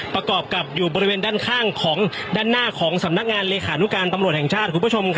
ประกอบกับอยู่บริเวณด้านข้างของด้านหน้าของสำนักงานเลขานุการตำรวจแห่งชาติคุณผู้ชมครับ